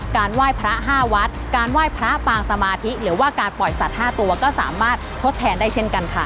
ไหว้พระ๕วัดการไหว้พระปางสมาธิหรือว่าการปล่อยสัตว์๕ตัวก็สามารถทดแทนได้เช่นกันค่ะ